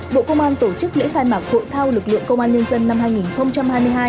bộ công an tổ chức lễ khai mạc hội thao lực lượng công an nhân dân năm hai nghìn hai mươi hai